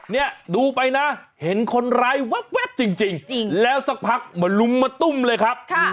เนี่ยดูไปนะเห็นคนร้ายแว๊บจริงแล้วสักพักเหมือนลุมมาตุ้มเลยครับ